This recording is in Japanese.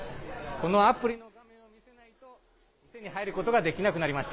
このアプリの画面を見せないと、店に入ることができなくなりまし